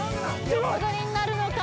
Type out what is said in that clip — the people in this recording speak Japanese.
横取りになるのか？